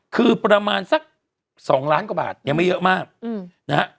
คือประมาณสัก๒ล้านกว่าบาทยังไม่เยอะมากนะฮะ